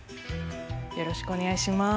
よろしくお願いします。